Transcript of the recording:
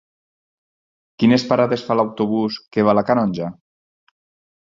Quines parades fa l'autobús que va a la Canonja?